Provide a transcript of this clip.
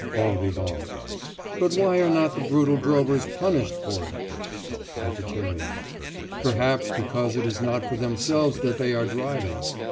BON VIVANT: But why are not the brutal drovers punished for it? VEGETARIAN: Perhaps because it is not for themselves that they are driving.